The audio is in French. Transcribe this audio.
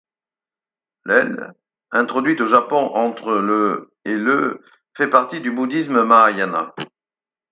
L', introduite au Japon entre le et le fait partie du bouddhisme mahāyāna.